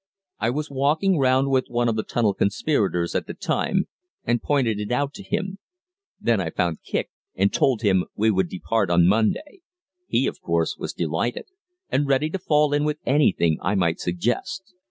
I was walking round with one of the tunnel conspirators at the time, and pointed it out to him. Then I found Kicq and told him we would depart on Monday. He, of course, was delighted, and ready to fall in with anything I might suggest.